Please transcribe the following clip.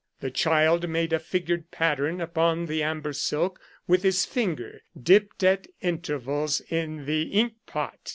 The child made a figured pattern upon the amber silk with his finger, dipped at intervals in the ink pot.